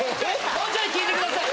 もうちょい聞いてください！